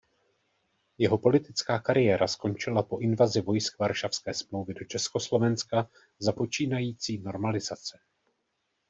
Jeho politická kariéra skončila po invazi vojsk Varšavské smlouvy do Československa za počínající normalizace.